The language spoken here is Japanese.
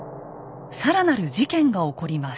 さらなる事件が起こります。